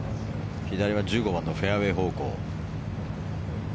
左は１５番のフェアウェー方向。